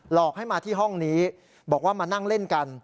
อกให้มาที่ห้องนี้บอกว่ามานั่งเล่นกัน